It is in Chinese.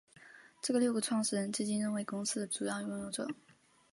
这六个创始人至今仍是公司的主要拥有者。